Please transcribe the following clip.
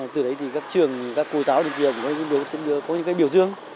từ đấy thì các trường các cô giáo đến kia cũng đưa có những cái biểu dương